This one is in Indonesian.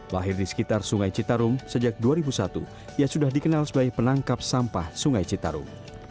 lahir di sekitar sungai citarum sejak dua ribu satu ia sudah dikenal sebagai penangkap sampah sungai citarum